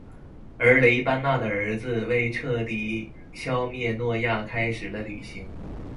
而雷班纳的儿子为彻底消灭诺亚开始了旅行。